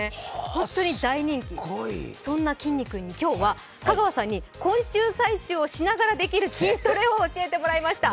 本当に大人気、そんなきんに君に今日は香川さんに昆虫採集をしながらできる筋トレを教えてもらいました。